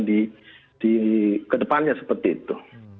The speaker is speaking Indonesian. di kedepannya seperti itu